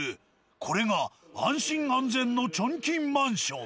これが安心安全のチョンキンマンション。